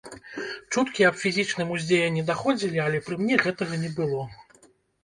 Чуткі аб фізічным уздзеянні даходзілі, але пры мне гэтага не было.